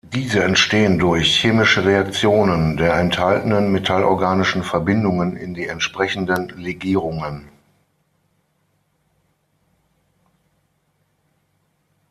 Diese entstehen durch chemische Reaktionen der enthaltenen metallorganischen Verbindungen in die entsprechenden Legierungen.